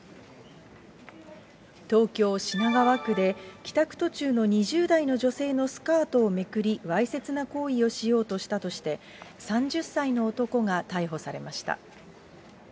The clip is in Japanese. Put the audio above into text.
東京・品川区で、帰宅途中の２０代の女性のスカートをめくり、わいせつな行為をしようとしたとして、３０歳の男が逮捕されました。